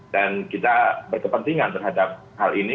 dan kita berkepentingan terhadap hal ini